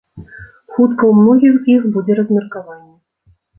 Хутка ў многіх з іх будзе размеркаванне.